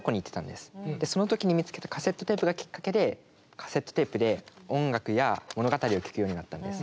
でその時に見つけたカセットテープがきっかけでカセットテープで音楽や物語を聴くようになったんです。